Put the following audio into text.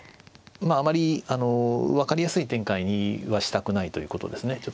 あまり分かりやすい展開にはしたくないということですね。